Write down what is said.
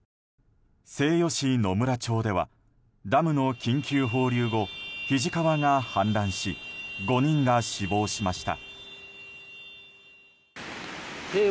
西予市野村町ではダムの緊急放流後肱川が氾濫し５人が死亡しました。